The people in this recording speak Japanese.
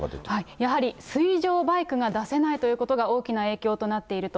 やはり水上バイクが出せないということが大きな影響となっていると。